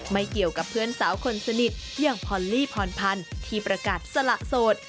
ไม่เกี่ยวกับเพื่อนสาวคนสนิทอย่างพรลี่พรพันธ์ที่ประกาศสละโสด